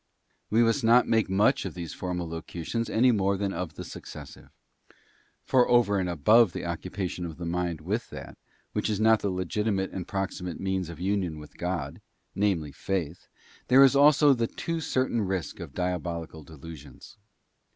We must not make much of these Formal Locutions any _ more than of the Successive. For over and above the _ occupation of the mind with that, which is not the legitimate and proximate means of Union with God, namely Faith, there is also the too certain risk of diabolical delusions.